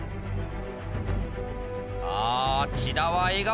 ああ千田は笑顔！